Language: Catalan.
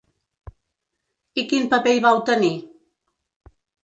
I quin paper hi vau tenir?